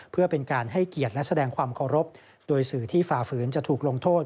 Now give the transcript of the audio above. เพื่อเป็นการให้เกียรติและแสดงความเคารพโดยสื่อที่ฝ่าฝืนจะถูกลงโทษ